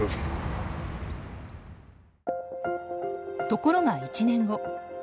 ところが１年後。